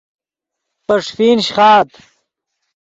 پے ݰیفین شیخآت